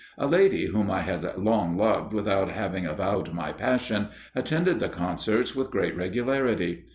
A lady, whom I had long loved without having avowed my passion, attended the concerts with great regularity.